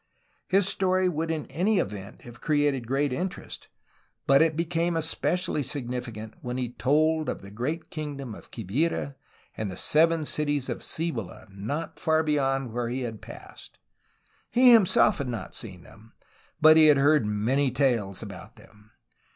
His story would in any event have created great interest, but it became especially signi ficant when he told of the great kingdom of Quivira and the Seven Cities of Cibola not far beyond where he had passed ; he himself had not seen them, but he had heard many tales about them.